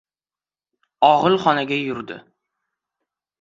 Og‘ilxonaga yurdi.